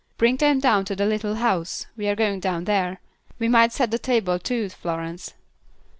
Bring them down to the little house; we're going down there. We might set the table, too, Florence."